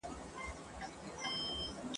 د دښمن د پوځونو شمېر تر افغانانو زیات وو.